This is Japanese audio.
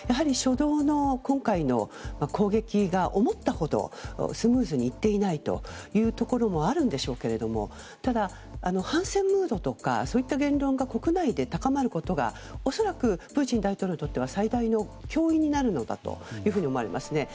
初動の今回の攻撃が思ったほどスムーズにいっていないというところもあるんでしょうけどただ、反戦ムードとかそういった言論が国内で高まることが恐らくプーチン大統領にとっては最大の脅威になるのだというふうに思われます。